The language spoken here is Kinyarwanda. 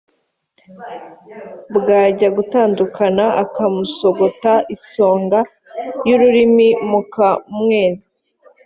bwajya gutandukana akamusogota isonga y'ururimi muka mwezi"